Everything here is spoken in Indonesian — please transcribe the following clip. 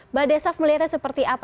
mbak desaf melihatnya seperti apa